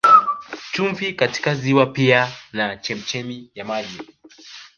Chumvi katika ziwa pia na chemchemi ya maji